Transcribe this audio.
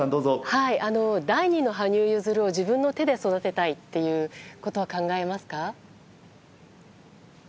第２の羽生結弦を自分の手で育てたいということは考えますか？